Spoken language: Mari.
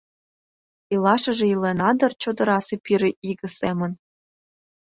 Илашыже илена дыр чодырасе пире иге семын.